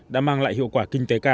đã mang lại hiệu quả kinh tế cao